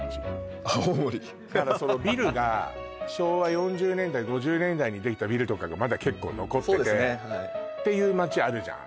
だからそのビルが昭和４０年代５０年代にできたビルとかがまだ結構残っててっていう街あるじゃん？